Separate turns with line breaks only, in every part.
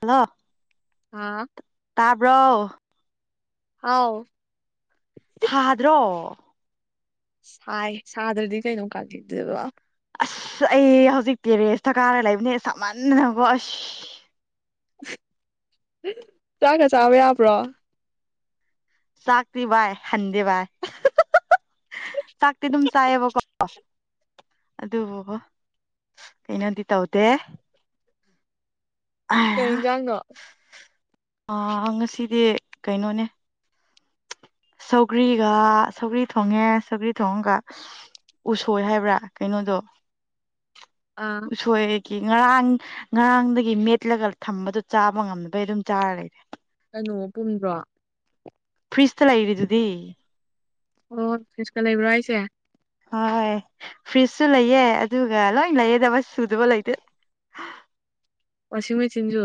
hello
ꯑꯥ
ꯇꯕ꯭ꯔꯣ
ꯑꯥꯎ
ꯐꯥꯗ꯭ꯔꯣ
ꯁꯥꯏ ꯁꯥꯗ꯭ꯔꯗꯤ ꯀꯩꯅꯣ [unintelligible]
ꯑꯁ ꯑꯩ ꯍꯧꯖꯤꯛ ꯇꯤꯔꯦꯁꯇ ꯀꯥꯔ ꯂꯩꯕꯅꯦ ꯁꯃꯟꯗꯅꯀꯣ ꯑꯁ
ꯆꯥꯛꯀ ꯆꯥꯕ ꯌꯥꯕ꯭ꯔꯣ
ꯆꯥꯛꯇꯤ ꯕꯥꯏ ꯍꯟꯗꯦ ꯕꯥꯏ ꯆꯥꯛꯇꯤ ꯑꯗꯨꯝ ꯆꯥꯏꯌꯦꯕꯀꯣ ꯑꯗꯨꯕꯨꯕ ꯀꯩꯅꯣꯗꯤ ꯇꯧꯗꯦ
ꯀꯩ ꯏꯟꯖꯥꯡꯅꯣ
ꯑꯥ ꯉꯁꯤꯗꯤ ꯀꯩꯅꯣꯅꯦ ꯁꯧꯒ꯭ꯔꯤꯒ ꯁꯧꯒ꯭ꯔꯤ ꯊꯣꯡꯉꯦ ꯁꯧꯒ꯭ꯔꯤ ꯊꯣꯡꯉꯒ ꯎꯁꯣꯏ ꯍꯥꯏꯕ꯭ꯔꯥ ꯀꯩꯅꯣꯗꯣ
ꯑꯥ
ꯎꯁꯣꯏ ꯀꯤ ꯉꯔꯥꯡ ꯉꯔꯥꯡꯗꯒꯤ ꯃꯦꯠꯂꯒ ꯊꯝꯕꯗꯣ ꯆꯥꯕ ꯉꯝꯕꯩ ꯑꯗꯨꯝ ꯆꯥꯔ ꯂꯩꯔꯦ
ꯀꯩꯅꯣ ꯄꯨꯝꯗ꯭ꯔꯣ
ꯐ꯭ꯔꯤꯁꯇ ꯂꯩ ꯔꯤꯗꯨꯗꯤ
ꯑꯣ ꯐ꯭ꯔꯤꯁꯇ ꯂꯩꯕ꯭ꯔꯣ ꯍꯥꯏꯁꯦ
ꯍꯣꯏ ꯍꯣꯢ ꯐ꯭ꯔꯤꯁꯁꯨ ꯂꯩꯌꯦ ꯑꯗꯨꯒ ꯂꯣꯏ ꯂꯩꯌꯦꯗ ꯁꯨꯗꯕ ꯂꯩꯇꯦ
ꯋꯁꯤꯡꯃꯦꯆꯤꯟ ꯖꯨ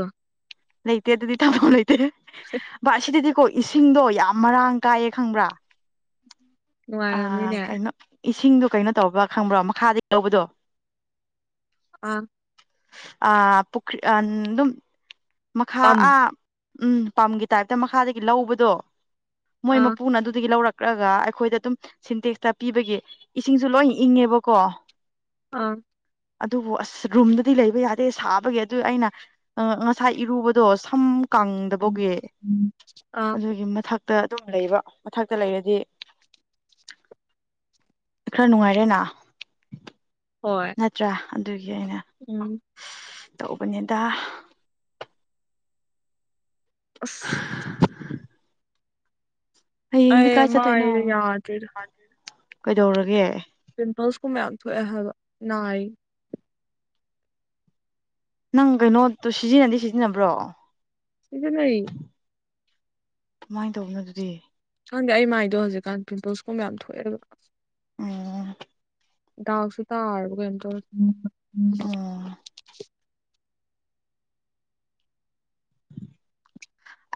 ꯂꯩꯇꯦ ꯑꯗꯨꯗꯤ ꯊꯝꯐꯝ ꯂꯩꯇꯦ ꯕꯏ ꯑꯁꯤꯗꯗꯤꯀꯣ ꯏꯁꯤꯡꯗꯣ ꯌꯥꯝ ꯃꯔꯥꯡ ꯀꯥꯏꯌꯦ ꯈꯪꯕ꯭ꯔꯥ ꯑ
ꯅꯨꯡꯉꯥꯏꯔꯝꯅꯤꯅꯦ
ꯀꯩꯅꯣ ꯏꯁꯤꯡꯗꯣ ꯀꯩꯅꯣ ꯇꯧꯕ꯭ꯔꯥ ꯈꯪꯕ꯭ꯔꯣ ꯃꯈꯥꯗꯒꯤ ꯂꯧꯕꯗꯣ
ꯑꯥ
ꯑ ꯄꯨꯈꯤ ꯑ ꯑꯗꯨꯝ ꯃꯈꯥ
ꯄꯝ
ꯑ ꯎꯝ ꯄꯝꯒꯤ ꯇꯥꯏꯞꯇ ꯃꯈꯥꯗꯒꯤ ꯂꯧꯕꯗꯣ ꯃꯣꯏ
ꯑꯥ
ꯃꯄꯨꯅ ꯑꯗꯨꯗꯒꯤ ꯂꯧꯔꯛ ꯀꯛ꯭ꯔꯒ ꯑꯩꯈꯣꯏꯗ ꯑꯗꯨꯝ ꯁꯤꯟꯇꯦꯛꯁꯇ ꯄꯤꯕꯒꯤ ꯏꯁꯤꯡꯁꯨ ꯂꯣꯏ ꯏꯪꯉꯦꯕꯀꯣ
ꯑꯥ
ꯑꯗꯨꯕꯨ ꯑꯁ ꯔꯨꯝꯗꯗꯤ ꯂꯩꯕ ꯌꯥꯗꯦ ꯁꯥꯕꯒꯤ ꯑꯗꯨ ꯑꯩꯅ ꯑ ꯉꯁꯥ ꯏꯔꯨꯕꯗꯣ ꯁꯝ ꯀꯪꯗꯕꯒꯤ
ꯑꯥ
ꯑꯗꯨꯒꯤ ꯃꯊꯛꯇ ꯑꯗꯨꯝ ꯂꯩꯕ ꯃꯊꯛꯇ ꯂꯩꯔꯗꯤ ꯈꯔ ꯅꯨꯡꯉꯥꯏꯔꯦꯅ
ꯍꯣꯏ
ꯅꯠꯇ꯭ꯔꯥ ꯑꯗꯨꯒꯤ ꯑꯩꯅ
ꯎꯝ
ꯇꯧꯕꯅꯦꯗ
ꯑꯁ
ꯍꯌꯦꯡꯗꯤ
ꯑꯩ
ꯀꯥꯏ ꯆꯠꯇꯣꯏꯅꯣ
ꯃꯥꯏꯗꯣ ꯌꯥꯗ꯭ꯔꯦꯗ
ꯀꯩꯗꯧꯔꯒꯦ
ꯄꯤꯝꯄꯜꯁꯀꯨꯝꯕ ꯌꯥꯝ ꯊꯣꯛꯑꯦ ꯍꯥꯏꯕ ꯅꯥꯏ
ꯅꯪ ꯀꯩꯅꯣꯠꯇꯣ ꯁꯤꯖꯤꯟꯅꯗꯤ ꯁꯤꯖꯤꯟꯅꯕ꯭ꯔꯣ
ꯁꯤꯖꯤꯟꯅꯩ
ꯀꯃꯥꯏꯅ ꯇꯧꯕꯅꯣ ꯑꯗꯨꯗꯤ
ꯈꯪꯗꯦ ꯑꯩ ꯃꯥꯏꯗꯣ ꯍꯧꯖꯤꯛꯀꯥꯟ ꯄꯤꯝꯄꯜꯁꯀꯨꯝꯕ ꯌꯥꯝ ꯊꯣꯛꯑꯦꯕ
ꯑꯣ
ꯗꯥꯛꯁꯨ ꯇꯔꯕ ꯀꯩꯅꯣꯝ ꯇꯧꯔꯦ
ꯎꯝ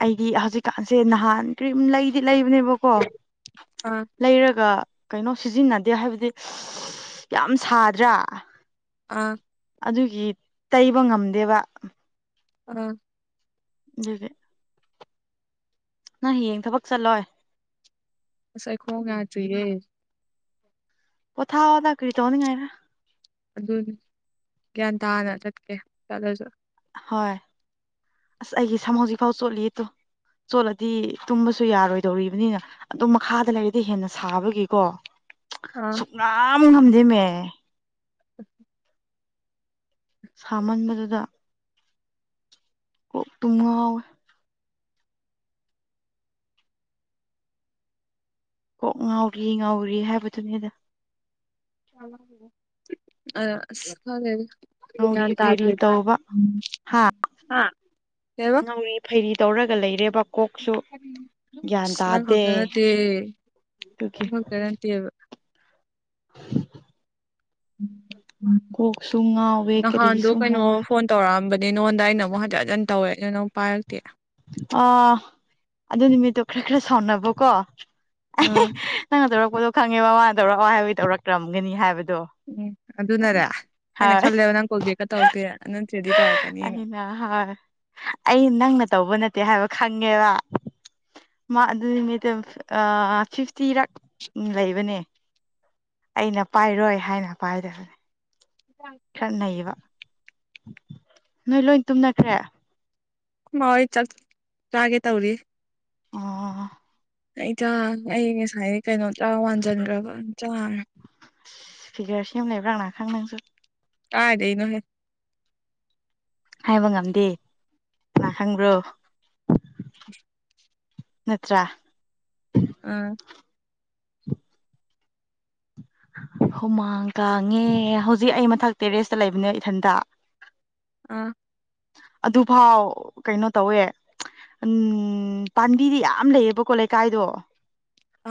ꯑꯩꯗꯤ ꯍꯧꯖꯤꯛꯀꯥꯟꯁꯦ ꯅꯍꯥꯟ ꯀꯔꯤꯝ ꯂꯩꯗꯤ ꯂꯩꯕꯅꯦꯕꯀꯣ
ꯑꯥ ꯑꯥ
ꯂꯩꯔꯒ ꯀꯩꯅꯣ ꯁꯤꯖꯤꯟꯅꯗꯦ ꯍꯥꯏꯕꯗꯤ ꯌꯥꯝ ꯁꯗ꯭ꯔꯥ
ꯑꯥ
ꯑꯗꯨꯒꯤ ꯇꯩꯕ ꯉꯝꯗꯦꯕ
ꯑ
ꯅꯔꯦ ꯅꯪ ꯍꯌꯦꯡ ꯊꯕꯛ ꯆꯠꯂꯣꯏ
ꯑꯁ ꯑꯩ ꯈꯣꯡ ꯌꯗ꯭ꯔꯤꯌꯦ
ꯄꯨꯣꯊꯥꯑꯣꯗ ꯀꯔꯤ ꯇꯧꯅꯤꯡꯉꯥꯢꯔ
ꯑꯗꯨ ꯒ꯭ꯌꯥꯟ ꯇꯥꯅ ꯆꯠꯀꯦ ꯆꯠꯂꯁꯨ
ꯍꯣꯏ ꯑꯁ ꯑꯩꯒꯤ ꯁꯝ ꯍꯧꯖꯤꯛ ꯐꯥꯎ ꯆꯣꯠꯂꯤꯌꯦ ꯇꯨ ꯆꯣꯠꯂꯗꯤ ꯇꯨꯝꯕꯁꯨ ꯌꯥꯔꯣꯏꯗꯧꯔꯤꯕꯅꯤꯅ ꯑꯗꯨꯝ ꯃꯈꯥꯗ ꯂꯩꯔꯗꯤ ꯍꯦꯟꯅ ꯁꯥꯕꯒꯤꯀꯣ
ꯑꯥ
ꯁꯦꯛꯉꯝ ꯉꯥꯝꯗꯦꯃꯦ
ꯎ
ꯁꯥꯃꯟꯕꯗꯨꯗ ꯀꯣꯛ ꯇꯨꯝ ꯉꯥꯎꯋꯦ ꯀꯣꯛ ꯉꯥꯎꯔꯤ ꯉꯥꯎꯔꯤ ꯍꯥꯏꯕꯗꯨꯅꯦꯗ
ꯑ ꯑꯁ ꯈꯪꯗꯦꯗ ꯀꯔꯤ
ꯉꯥꯎꯔꯤ
ꯒ꯭ꯌꯥꯟ
ꯐꯩꯔꯤ
ꯇꯥꯗ꯭ꯔꯦꯕ
ꯇꯧꯕ
ꯎꯝ
ꯍꯥ
ꯍꯥ ꯀꯩꯕ
ꯉꯥꯎꯔꯤ ꯐꯩꯔꯤ ꯇꯧꯔꯒ ꯂꯩꯔꯦꯕ ꯀꯣꯛꯁꯨ ꯒ꯭ꯌꯥꯟ
ꯑꯁ ꯅꯪ
ꯇꯥꯗꯦ
ꯈꯛꯇ ꯅꯠꯇꯦ
ꯑꯗꯨꯒꯤ
ꯑꯃꯇ ꯅꯠꯇꯦꯕ
[inaudible] ꯀꯣꯛꯁꯨ ꯉꯥꯎꯋꯦ
ꯅꯍꯥꯟꯗꯣ
ꯀꯔꯤꯁꯨ
ꯀꯩꯅꯣ
ꯉꯥꯎꯋꯦ
ꯐꯣꯟ ꯇꯧꯔꯛꯑꯝꯕ ꯑꯗꯩ ꯅꯉꯣꯟꯗ ꯑꯩꯅ ꯑꯃꯨꯛ ꯍꯟꯖꯟ ꯍꯟꯖꯟ ꯇꯧꯋꯦ ꯑꯗꯨ ꯅꯪ ꯄꯥꯏꯔꯛꯇꯦ
ꯑꯥ ꯑꯗꯨ ꯅꯨꯃꯤꯠꯇꯣ ꯈ꯭ꯔ ꯈ꯭ꯔ ꯁꯥꯎꯅꯕꯀꯣ ꯑꯦꯍꯦ
ꯑꯥ
ꯅꯪꯅ ꯇꯧꯔꯛꯄꯗꯣ ꯈꯪꯉꯦꯕ ꯃꯥꯅ ꯇꯧꯔꯛꯑꯣ ꯍꯥꯏꯕꯒꯤ ꯇꯧꯔꯛ ꯔꯝꯒꯅꯤ ꯍꯥꯏꯕ
ꯎꯝ ꯑꯗꯨꯅꯔ ꯑꯩꯅ
ꯍꯣꯏ
ꯈꯜꯂꯦꯕ ꯅꯪ ꯀꯣꯜ ꯕꯦꯛꯀ ꯇꯧꯔꯛꯇꯦꯅ ꯅꯠꯇ꯭ꯔꯗꯤ ꯇꯧꯔꯛꯀꯅꯤꯅ
ꯑꯩꯅ ꯍꯣꯏ ꯑꯩ ꯅꯪꯅ ꯇꯧꯕ ꯅꯠꯇꯦ ꯍꯥꯏꯕ ꯈꯪꯉꯦꯕ ꯃꯥ ꯑꯗꯨ ꯅꯨꯃꯤꯠꯇꯨ ꯑꯥ ꯐꯤꯐꯇꯤꯔꯛ ꯂꯩꯕꯅꯦ ꯑꯩꯅ ꯄꯥꯏꯔꯣꯏ ꯍꯥꯏꯅ ꯄꯥꯏꯗꯕ
ꯑꯩꯈꯣꯏ
ꯈꯥꯔ ꯅꯩꯕ ꯅꯣꯏ ꯂꯣꯏ ꯇꯨꯝꯅꯈ꯭ꯔꯦ
ꯈ꯭ꯔ ꯃꯥꯍꯣꯏ ꯆꯥꯛ ꯆꯥꯒꯦ ꯇꯧꯔꯤ
ꯑꯣ
ꯑꯩꯇ ꯑꯩ ꯉꯁꯥꯏ ꯀꯩꯅꯣ ꯆꯥꯔꯥ ꯋꯥꯟꯁꯤꯟꯈ꯭ꯔꯕ ꯆꯥ
ꯁꯤ ꯐꯤꯒꯔ ꯁꯦꯝ ꯂꯩꯕ꯭ꯔꯥ ꯀꯅꯥꯈꯪ ꯅꯪꯁꯨ
ꯀꯥꯏꯗꯩꯅꯣ ꯍꯦ
ꯍꯥꯏꯕ ꯉꯝꯗꯦ ꯀꯥꯅ ꯈꯪꯕ꯭ꯔꯣ
[inaudible]
ꯅꯠꯇ꯭ꯔꯥ
ꯑꯥ
ꯍꯨꯃꯥꯡ ꯀꯥꯡꯉꯦ ꯍꯧꯖꯤꯛ ꯑꯩ ꯃꯊꯛ ꯇꯦꯔꯦꯁꯇ ꯂꯩꯕꯅꯦ ꯏꯊꯟꯇ
ꯑꯥ
ꯑꯗꯨꯐꯥꯎ ꯀꯩꯅꯣ ꯇꯧꯋꯦ ꯎꯟ ꯄꯥꯟꯕꯤꯗꯤ ꯌꯥꯝ ꯂꯩꯌꯦꯕꯀꯣ ꯂꯩꯀꯥꯏꯗꯣ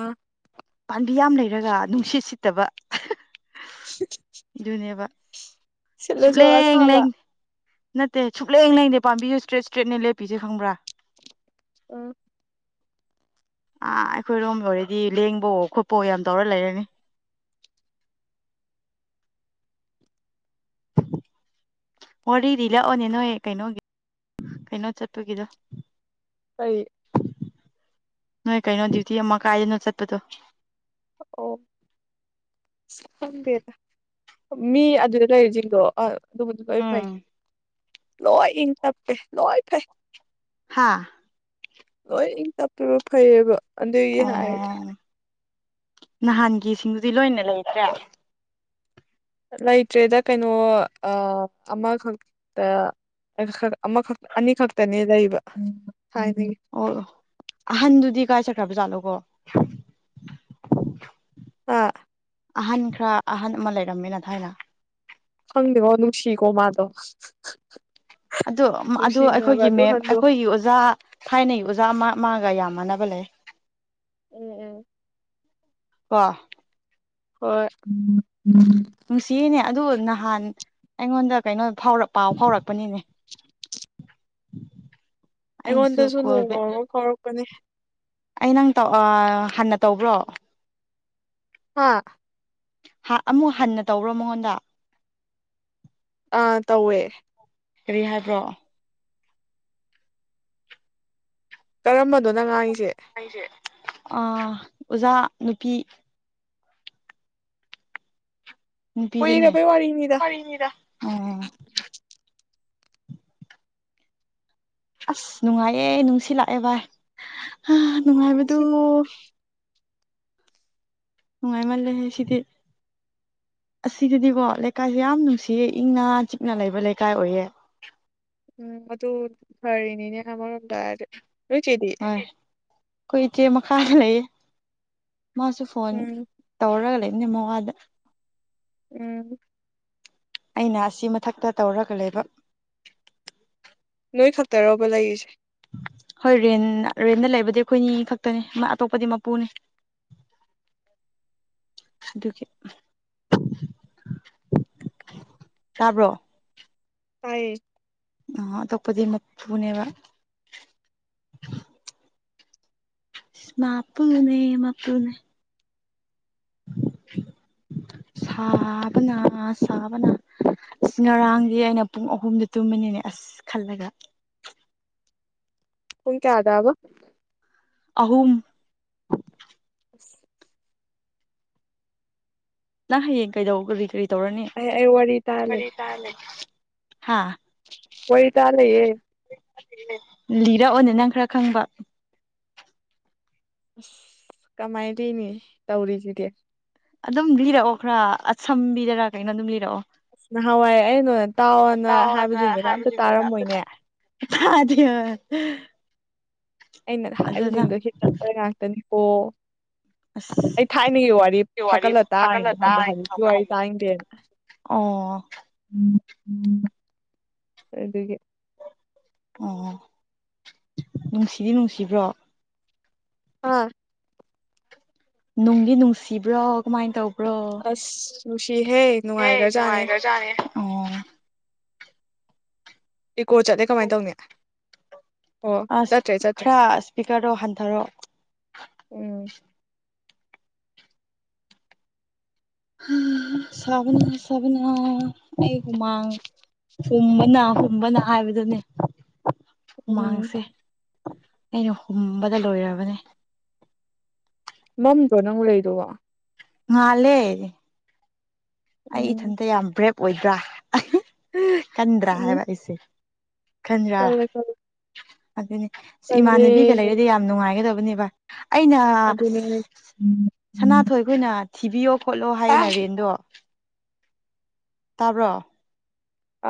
ꯑꯥ
ꯄꯥꯝꯕꯤ ꯌꯥꯝ ꯂꯩꯔꯒ ꯅꯨꯡꯁꯤꯠ ꯁꯤꯠꯇꯕ ꯑꯗꯨꯅꯦꯕ
ꯁꯤꯠꯂꯁꯨ
ꯁꯨꯡꯂꯦꯡ
ꯑꯁꯥꯕ
ꯂꯦꯡ ꯅꯠꯇꯦ ꯁꯨꯛꯂꯩ ꯂꯦꯡꯗꯦ ꯄꯥꯝꯕꯤꯁꯦ ꯁ꯭ꯇꯔꯦꯠ ꯁ꯭ꯇꯔꯦꯠꯅꯦ ꯂꯦꯞꯄꯤꯁꯦ ꯈꯪꯕ꯭ꯔꯥ
ꯎꯝ
ꯑꯥ ꯑꯩꯈꯣꯏꯔꯣꯝ ꯑꯣꯏꯔꯗꯤ ꯂꯦꯡꯕꯋꯣ ꯈꯣꯠꯄ꯭ꯋꯣ ꯌꯥꯝ ꯇꯧꯔ ꯂꯩꯔꯅꯤ
[inaudible] [inaudible]
ꯋꯥꯔꯤ ꯂꯤꯔꯛꯑꯣꯅꯦ ꯅꯣꯏ ꯀꯩꯅꯣꯒꯤ ꯀꯩꯅꯣ ꯆꯠꯄꯒꯤꯗꯣ
ꯀꯩ
ꯅꯣꯏ ꯀꯩꯅꯣ ꯗ꯭ꯌꯨꯇꯤ ꯑꯝꯃ ꯀꯥꯏꯗꯅꯣ ꯆꯠꯄꯗꯣ
ꯑꯣ ꯑꯁ ꯈꯪꯗꯦꯗ ꯃꯤ ꯑꯗꯨꯗ ꯂꯩꯔꯤꯁꯤꯡꯗꯣ ꯑꯥ ꯑꯗꯨꯃꯗꯤ ꯂꯣꯏ ꯐꯩ ꯂꯣꯏ ꯏꯪ ꯇꯞꯄꯦ ꯂꯣꯏ ꯐꯩ
ꯍꯥꯥ
ꯂꯣꯏ ꯏꯪ ꯇꯞꯄꯦꯕ ꯐꯩꯌꯦꯕ ꯑꯗꯨꯒꯤ ꯍꯥꯏꯔꯗꯤ
ꯑꯣ ꯅꯍꯥꯟꯒꯤꯁꯤꯡꯗꯨꯗꯤ ꯂꯣꯏꯅ ꯂꯩꯇ꯭ꯔꯦ
ꯂꯩꯇ꯭ꯔꯦꯗ ꯀꯩꯅꯣ ꯑꯥ ꯑꯃꯈꯛꯇ ꯑꯃꯈꯛ ꯑꯅꯤꯈꯛꯇꯅꯤ ꯂꯩꯕ ꯊꯥꯏꯅꯒꯤ
ꯑꯣ ꯑꯍꯟꯗꯨꯗꯤ ꯀꯥꯏ ꯁꯠꯈ꯭ꯔꯕ ꯖꯥꯠꯅꯣꯀꯣ
ꯑꯥ
ꯑꯍꯟ ꯈꯥꯔ ꯑꯍꯟ ꯑꯃ ꯂꯩꯔꯝꯃꯦꯅ ꯊꯥꯏꯅ
ꯈꯪꯗꯦꯀꯣ ꯅꯨꯡꯁꯤꯀꯣ ꯃꯥꯗꯣ
ꯑꯗꯣ ꯑꯗꯣ
ꯅꯨꯡꯁꯤꯕꯅꯦꯕ
ꯑꯈꯣꯏꯒꯤ
ꯑꯗꯨ
ꯃꯦꯝ
ꯍꯟꯗꯣ
ꯑꯈꯣꯏꯒꯤ ꯑꯣꯖꯥ ꯊꯥꯏꯅꯒꯤ ꯑꯣꯖꯥ ꯑꯃ ꯃꯥꯒ ꯌꯥꯝꯃꯅꯕ ꯂꯩ
ꯎꯝ ꯎꯝ
ꯀꯣ
ꯍꯣꯏ ꯎꯝ
ꯅꯨꯡꯁꯤꯌꯦꯅꯦ ꯑꯗꯨ ꯅꯍꯥꯟ ꯑꯩꯉꯣꯟꯗ ꯀꯩꯅꯣ ꯐꯥꯎꯔꯛ ꯄꯥꯎ ꯐꯥꯎꯔꯛꯄꯅꯤꯅꯦ ꯑꯩꯁꯨ
ꯑꯩꯉꯣꯟꯗꯁꯨ
ꯀꯣꯜ
ꯅꯣꯡꯃ
ꯕꯦꯛ
ꯑꯃ ꯐꯥꯎꯔꯛꯄꯅꯦ
ꯑꯩ ꯅꯪ ꯇꯧ ꯑꯥ ꯍꯥꯟꯅ ꯇꯧꯕ꯭ꯔꯣ
ꯍꯥꯥ
ꯑꯃꯨꯛ ꯍꯟꯅ ꯇꯧꯕ꯭ꯔꯣ ꯃꯉꯣꯟꯗ
ꯑꯥ ꯇꯧꯋꯦ
ꯀꯔꯤ ꯍꯥꯏꯕ꯭ꯔꯣ
ꯀꯔꯝꯕꯅꯣ ꯅꯪ ꯉꯥꯡꯉꯤꯁꯦ
ꯑꯩꯁꯦ ꯑꯣꯖꯥ ꯅꯨꯄꯤ ꯅꯨꯄꯤꯗꯨꯅꯦ
ꯀꯨꯏꯔꯕꯩ ꯋꯥꯔꯤꯅꯤꯗ
ꯑꯣ ꯑꯁ ꯅꯨꯡꯉꯥꯏꯌꯦ ꯅꯨꯡꯁꯤꯠ ꯂꯥꯛꯑꯦ ꯚꯥꯏ ꯅꯨꯡꯉꯥꯏꯕꯗꯨ ꯅꯨꯡꯉꯥꯏ ꯃꯜꯂꯦ ꯍꯦ ꯁꯤꯗꯤ ꯑꯁꯤꯗꯗꯤꯀꯣ ꯂꯩꯀꯥꯏꯁꯦ ꯌꯥꯝ ꯅꯨꯡꯁꯤꯌꯦ ꯏꯪꯅ ꯆꯤꯛꯅ ꯂꯩꯕ ꯂꯩꯀꯥꯏ ꯑꯣꯏꯌꯦꯦ
ꯎꯝ ꯑꯗꯨ ꯐꯥꯔꯤꯅꯤꯅꯦ ꯑꯃꯔꯣꯝꯗ ꯍꯥꯔꯗꯤ ꯅꯣꯏ ꯏꯆꯦꯗꯤ
ꯍꯣꯏ ꯑꯩꯈꯣꯏ ꯏꯆꯦ ꯃꯈꯥꯗ ꯂꯩꯌꯦ ꯃꯥꯁꯨ ꯐꯣꯟ
ꯎꯝ
ꯇꯧꯔꯒ ꯂꯩ ꯅꯤꯡ ꯃ ꯋꯥꯗ
ꯎꯝ
ꯑꯩꯅ ꯑꯁꯤ ꯃꯊꯛꯇ ꯇꯧꯔꯒ ꯂꯩꯕ
ꯅꯣꯏ ꯈꯛꯇꯔꯣꯕ ꯂꯩꯔꯤꯁꯦ
ꯍꯣꯏ ꯔꯦꯟ ꯔꯦꯟꯗ ꯂꯩꯕꯗꯤ ꯑꯩꯈꯣꯏꯅꯤ ꯈꯛꯇꯅꯤ ꯑꯇꯣꯞꯄꯗꯤ ꯃꯄꯨꯅꯦ
[inaudible]
ꯑꯗꯨꯒꯤ ꯇꯥꯕ꯭ꯔꯣ
ꯇꯌꯦ
ꯑ ꯑꯇꯣꯞꯄꯗꯤ ꯃꯄꯨꯅꯦꯕ ꯃꯥꯄꯨꯅꯦ ꯃꯥꯄꯨꯅꯦ
[inaudible]
ꯁꯥꯕꯅ ꯁꯥꯕꯅ ꯑꯁ ꯉꯔꯥꯡꯗꯤ ꯑꯩꯅ ꯄꯨꯡ ꯑꯍꯨꯝꯗ ꯇꯨꯝꯕꯅꯤꯅꯦ ꯑꯁ ꯈꯜꯂꯒ
ꯄꯨꯝ ꯀꯌꯥꯗꯑꯕ
ꯑꯍꯨꯝ
[inaudible]
ꯅꯪ ꯍꯌꯦꯡ ꯀꯩꯗꯧ ꯀꯔꯤ ꯀꯔꯤ ꯇꯧꯔꯅꯤ
ꯑꯩ ꯑꯩ ꯇꯥꯔ ꯂꯩ
ꯋꯥꯔꯤ ꯇꯥꯔꯒ ꯂꯩ
ꯋꯥꯔꯤ ꯇꯥꯔꯒ ꯂꯩꯌꯦ
ꯂꯤꯔꯛꯑꯣꯅꯦ ꯅꯪ ꯈꯔ ꯈꯪꯕ
ꯑꯁ ꯀꯃꯥꯏ ꯇꯣꯏꯅꯤ ꯇꯧꯔꯤꯁꯤꯗꯤ
ꯑꯗꯨꯝ ꯂꯤꯔꯛꯑꯣ ꯈꯔ ꯑꯁꯝꯕꯤꯗꯔꯥ ꯀꯩꯅꯣ ꯑꯗꯨꯝ ꯂꯤꯔꯛꯑꯣ
ꯑꯁ ꯅꯍꯥꯟꯋꯥꯏ ꯑꯩ ꯅꯉꯣꯟ ꯇꯥꯋꯣꯅ
ꯇꯥꯎꯑꯣꯅ
ꯍꯥꯏꯕꯁꯤꯡꯗꯨꯅ ꯑꯝꯇ
ꯍꯥꯏꯕꯁꯤꯡꯗꯨꯅ ꯑꯝꯇ ꯇꯥ
ꯇꯥꯔꯝꯃꯣꯏꯅꯦ
ꯇꯥꯗꯦ ꯍ
ꯑꯩꯅ ꯍꯥꯏꯕꯁꯤꯡꯗꯣ ꯍꯤꯆꯠꯄ ꯉꯥꯛꯇꯅꯤꯀꯣ
ꯑꯁ
ꯑꯩ ꯊꯥꯏꯅꯒꯤ ꯋꯥꯔꯤ
ꯋꯥꯔꯤ
ꯐꯥꯀꯠꯂ
ꯐꯥꯒꯠꯂ
ꯇꯥꯔꯤꯅꯦ ꯈꯪꯕ꯭ꯔꯥ
ꯇꯥꯔꯤꯅꯤ
ꯍꯧꯖꯤꯛꯀꯤ
ꯈꯪꯕ꯭ꯔ
ꯋꯥꯔꯤ ꯇꯥꯡꯅꯤꯡꯗꯦꯅ
ꯑꯣ
ꯎꯝ ꯑꯗꯨꯒꯤ
ꯑꯣ ꯅꯨꯡꯁꯤꯗꯤ ꯅꯨꯡꯁꯤꯕ꯭ꯔꯣ
ꯑꯥ
ꯅꯨꯡꯗꯤ ꯅꯨꯡꯁꯤꯕ꯭ꯔꯣ ꯀꯃꯥꯏꯅ ꯇꯧ
ꯑꯁ ꯅꯨꯡꯁꯤꯍꯦ
ꯒꯦ
ꯅꯨꯡꯉꯥꯏꯈ꯭ꯔꯖꯥꯠꯅꯦ
ꯅꯨꯡꯉꯥꯢꯒ꯭ꯔꯖꯥꯠꯅꯦ ꯑꯣ
ꯏꯀꯣ ꯆꯠꯂꯦ ꯀꯃꯥꯏꯟ ꯇꯧꯅꯤ ꯑꯣ
ꯑꯁ
ꯆꯠꯇ꯭ꯔꯦ ꯆꯠꯇ꯭ꯔꯦ
ꯈꯥꯔ ꯁ꯭ꯄꯤꯀ꯭ꯔꯗꯣ ꯍꯟꯊꯔꯣ
ꯎꯝ
ꯍꯍꯥ ꯁꯥꯕꯅ ꯁꯥꯕꯅ ꯑꯩ ꯍꯨꯃꯥꯡ ꯍꯨꯝꯕꯅ ꯍꯨꯝꯕꯅ ꯍꯥꯏꯕꯗꯨꯅꯦ
ꯎꯝ
ꯍꯨꯃꯥꯡꯁꯦ ꯑꯩꯅ ꯍꯨꯝꯕꯗ ꯂꯣꯏꯔꯕꯅꯦ
ꯃꯝꯗ꯭ꯔꯣ ꯅꯪ ꯂꯩꯔꯤꯗꯨꯕꯣ
ꯉꯥꯜꯂꯦ ꯑꯩ
ꯎꯝ
ꯏꯊꯟꯇ ꯌꯥꯝ ꯕ꯭ꯔꯦꯞ ꯑꯣꯏꯗ꯭ꯔꯥ ꯑꯍꯤꯍ ꯀꯟꯗ꯭ꯔꯥ
ꯎꯝ
ꯍꯥꯏꯕ ꯑꯩꯁꯦ
ꯀꯜꯂꯦ ꯀꯜꯂꯦ
ꯑꯗꯨꯅꯦ ꯑꯁ
ꯀꯜꯂꯦ
ꯏꯃꯥꯟꯅꯕꯤꯒ ꯂꯩꯔꯗꯤ ꯌꯥꯝ ꯅꯨꯡꯉꯥꯏꯒꯗꯕꯅꯦꯕ ꯑꯩꯅ ꯁ
ꯑꯗꯨꯅꯦ
ꯁꯅꯥꯊꯣꯏ ꯈꯣꯏꯅ ꯊꯤꯕꯤꯌꯣ ꯈꯣꯠꯂꯣ ꯍꯥꯏꯌꯦꯅ ꯔꯦꯟꯗꯣ ꯇꯥꯕ꯭ꯔꯣ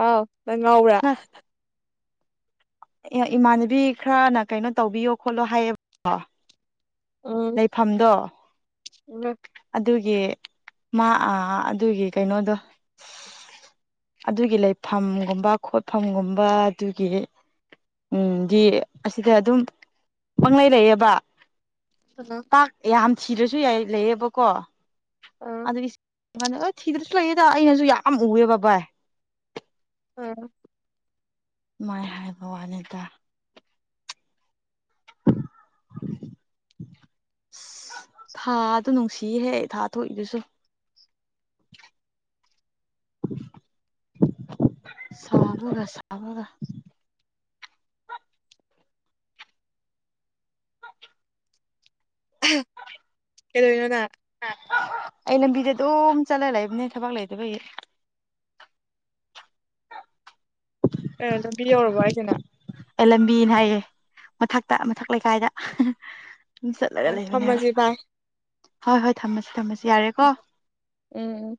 ꯑꯥꯎ ꯅꯪ ꯉꯥꯎꯕ꯭ꯔꯥ ꯍꯍ
ꯑꯦ ꯏꯃꯥꯟꯅꯕꯤ ꯈꯔꯅ ꯀꯩꯅꯣ ꯇꯧꯕꯤꯌꯣ ꯈꯣꯠꯂꯣ ꯍꯥꯏꯌꯦꯕꯀꯣ
ꯎꯝ
ꯑꯗꯨꯒꯤ ꯃꯥ ꯑꯥ ꯑꯗꯨꯒꯤ ꯀꯩꯅꯣꯗꯣ ꯑꯗꯨꯒꯤ ꯂꯩꯐꯝꯒꯨꯝꯕ ꯈꯣꯠꯐꯝꯒꯨꯝꯕ ꯑꯗꯨꯒꯤ ꯎꯝ ꯗꯤ ꯑꯁꯤꯗ ꯑꯗꯨꯝ ꯄꯪ ꯂꯩꯩ ꯂꯩꯌꯦꯕ ꯇꯥꯛꯁ ꯌꯥꯝ ꯊꯤꯔꯁꯨ ꯌꯥ ꯂꯩꯌꯦꯕꯀꯣ
ꯑꯥ
ꯃꯥꯅ ꯑꯥ ꯊꯤꯗ꯭ꯔꯁꯨ ꯂꯩꯌꯦꯗ ꯑꯩꯅꯁꯨ ꯌꯥꯝ ꯑꯨꯏꯌꯦꯕ ꯕꯥꯏ
ꯎꯝ
ꯗꯨꯃꯥꯏ ꯍꯥꯏꯕ ꯋꯥꯅꯦꯗ
[inaudible]
ꯑꯁ ꯊꯥꯗꯣ ꯅꯨꯡꯁꯤꯍꯦ ꯊꯥ ꯊꯣꯛꯏꯗꯨꯁꯨ
[inaudible]
ꯁꯥꯕꯒ ꯁꯥꯕꯒ
ꯑꯍꯦ ꯀꯩꯗꯧꯔꯤꯅꯣ ꯅꯪ
ꯑꯩ ꯂꯝꯕꯤꯗ ꯗꯨꯝ ꯆꯠꯂꯒ ꯂꯩꯕꯅꯦ ꯊꯕꯛ ꯂꯩꯇꯕꯒꯤ
ꯑꯦ ꯂꯝꯕꯤ ꯌꯧꯔꯕꯣ ꯍꯥꯏꯁꯦ ꯅꯪ
ꯑꯦ ꯂꯝꯕꯤꯅꯦ ꯍꯥꯏꯌꯦ ꯃꯊꯛꯇ ꯃꯊꯛ ꯂꯩꯀꯥꯏꯗ ꯍꯍ ꯑꯗꯨꯝ ꯆꯠꯂꯒ ꯂꯩꯕꯅꯦꯕ
ꯊꯝꯃꯁꯤ ꯕꯥꯏ
ꯍꯣꯏ ꯍꯣꯏ ꯊꯝꯃꯁꯤ ꯊꯝꯃꯁꯤ ꯌꯥꯔꯦꯀꯣ
ꯎꯝ